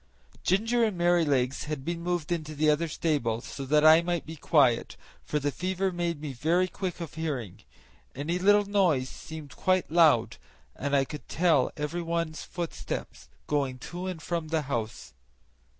Ginger and Merrylegs had been moved into the other stable, so that I might be quiet, for the fever made me very quick of hearing; any little noise seemed quite loud, and I could tell every one's footstep going to and from the house.